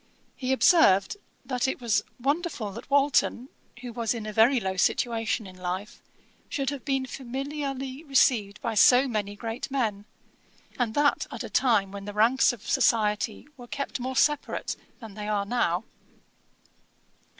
He observed, that 'it was wonderful that Walton, who was in a very low situation in life, should have been familiarly received by so many great men, and that at a time when the ranks of society were kept more separate than they are now.'